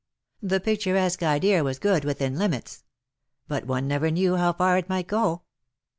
The picturesque idea? was good, within limits ; but one never knew how far it might go.